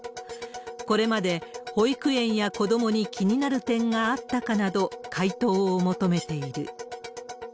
これまで保育園や子どもに気になる点があったかなど、回答を求めている。